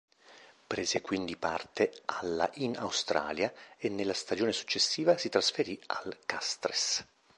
Prese quindi parte alla in Australia e nella stagione successiva si trasferì al Castres.